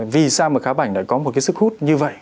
vì sao mà khá bảnh lại có một cái sức hút như vậy